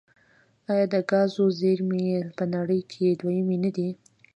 آیا د ګازو زیرمې یې په نړۍ کې دویمې نه دي؟